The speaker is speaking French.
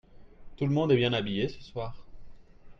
Tout le monde est bien habillé ce soir.